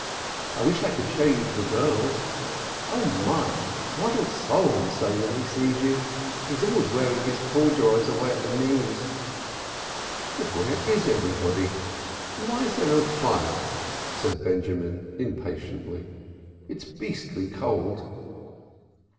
I wish I could show you to the girls! Oh, my, what'll Solomon say when he sees you! He's always wearing his corduroys away at the knees." "But where is everybody? And why is there no fire?" said Benjamin impatiently. "It's beastly cold."